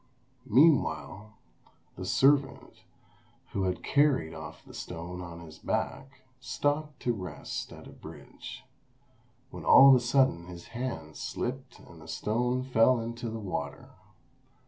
Meanwhile, the servant, who had carried off the stone on his back, stopped to rest at a bridge; when all of a sudden his hand slipped and the stone fell into the water.